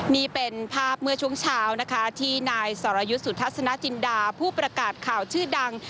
นี่เป็นภาพเมื่อช่วงเช้านะคะที่นายสรยุทธ์สุทัศนจินดาผู้ประกาศข่าวชื่อดัง